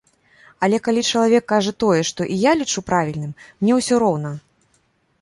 Але калі чалавек кажа тое, што і я лічу правільным, мне ўсё роўна.